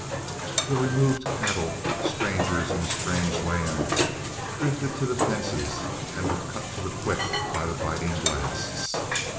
The removed cattle, strangers in a strange land, drifted to the fences and were cut to the quick by the biting blasts.